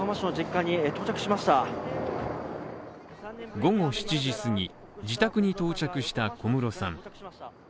午後７時すぎ、自宅に到着した小室さん。